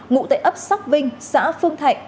ngụ tại ấp sóc vinh xã phương thạnh